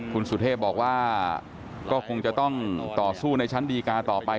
คุณสุเทพบอกว่าก็คงจะต้องต่อสู้ในชั้นดีการต่อไป